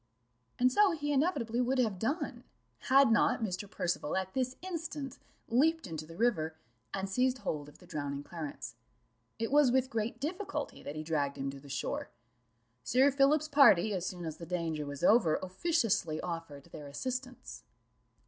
And so he inevitably would have done, had not Mr. Percival at this instant leaped into the river, and seized hold of the drowning Clarence. It was with great difficulty that he dragged him to the shore. Sir Philip's party, as soon as the danger was over, officiously offered their assistance.